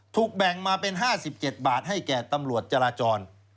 ถูกแบ่งมาเป็น๕๗บาทให้แก่ตำรวจจราจร